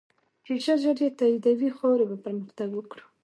چی ژر ژر یی تایدوی ، خاوری به پرمختګ وکړو